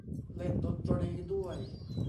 เล่นดนตรีด้วย